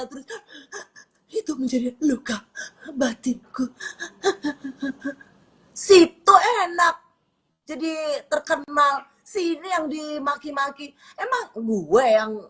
terus itu menjadi luka batikku situ enak jadi terkenal sini yang dimaki maki emang gue yang